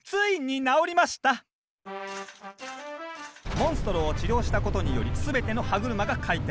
モンストロを治療したことにより全ての歯車が回転。